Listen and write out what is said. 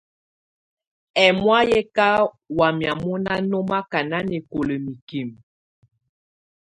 Ɛ̀mɔ̀á yɛ̀ kà wayɛ̀á mɔ̀na nɔmaka nanɛkɔla mikimǝ.